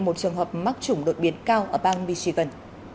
một trường hợp mắc chủng đột biến cao ở bang michigan